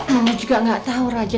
mama juga nggak tahu raja